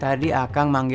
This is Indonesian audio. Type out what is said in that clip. tadi aku ma ai angry